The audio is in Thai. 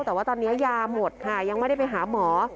แต่ว่าตอนนี้ยาหมดค่ะยังไม่ได้ไปหาหมอ